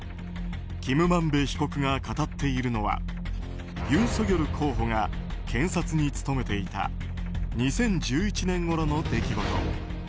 キム・マンベ被告が語っているのはユン・ソギョル候補が検察に勤めていた２０１１年ごろの出来事。